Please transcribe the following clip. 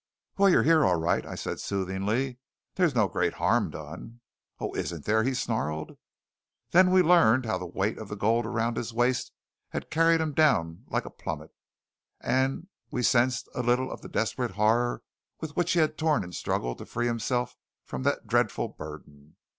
"Well, you're here, all right," I said soothingly. "There's no great harm done." "Oh, isn't there?" he snarled. Then we learned how the weight of the gold around his waist had carried him down like a plummet; and we sensed a little of the desperate horror with which he had torn and struggled to free himself from that dreadful burden.